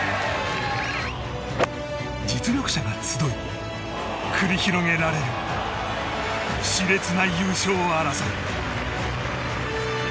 実力者が集い繰り広げられる熾烈な優勝争い。